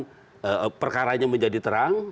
disimpulkan perkaranya menjadi terang